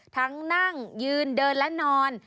นั่งยืนเดินและนอน